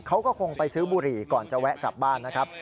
เขาก็คงไปซื้อบุหรี่ก่อนจะแวะกลับบ้านนะครับ